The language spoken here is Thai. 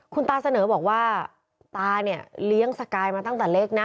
คุณตาเสนอบอกว่าตาเนี่ยเลี้ยงสกายมาตั้งแต่เล็กนะ